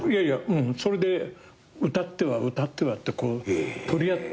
うんそれで歌っては歌ってはってこう取り合ってくんですよ。